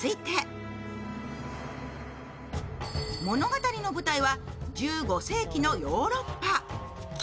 物語の舞台は１５世紀のヨーロッパ。